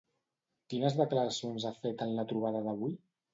Quines declaracions ha fet en la trobada d'avui?